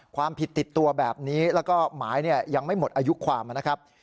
ความผิดติดตัวแบบนี้แล้วก็หมายยังไม่หมดอายุความนะครับ